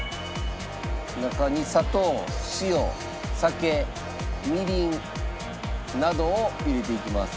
中に砂糖塩酒みりんなどを入れていきます。